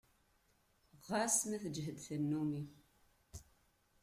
Xas ma teǧǧhed tannumi.